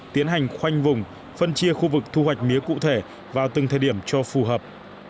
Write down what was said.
tiến hành khoanh vùng phân chia khu vực thu hoạch mía cụ thể vào từng thời điểm cho phù hợp